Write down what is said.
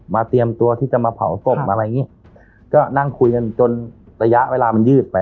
เตรียมตัวที่จะมาเผาศพอะไรอย่างงี้ก็นั่งคุยกันจนระยะเวลามันยืดไป